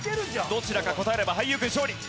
どちらか答えれば俳優軍勝利。